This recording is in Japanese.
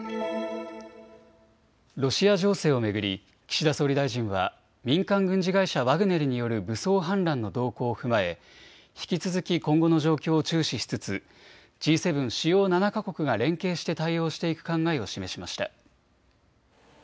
ロシア情勢を巡り岸田総理大臣は民間軍事会社、ワグネルによる武装反乱の動向を踏まえ引き続き今後の状況を注視しつつＧ７・主要７か国が連携して対応していく考えを示しました。